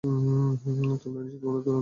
তোমরা নিশ্চিত কোনো দুনম্বরী কাজ করছ।